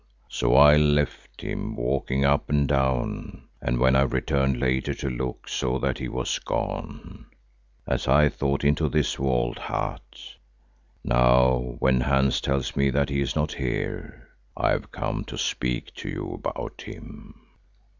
So I left him walking up and down, and when I returned later to look, saw that he was gone, as I thought into this walled hut. Now when Hansi tells me that he is not here, I have come to speak to you about him."